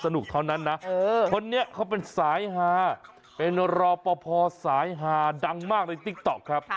เท่านั้นนะคนนี้เขาเป็นสายฮาเป็นรอปภสายฮาดังมากในติ๊กต๊อกครับ